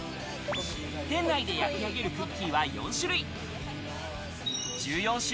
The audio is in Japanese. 店内で焼き上げるクッキーは４種類。